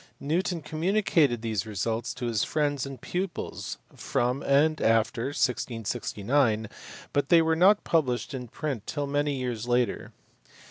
Newton communicated these results to his friends and pupils from and after 1669, but they were not published in print till many years later.